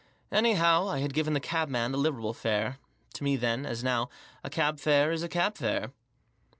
Anyhow, I had given the cabman a liberal fare. To me, then, as now, a cab fare is a cab fare.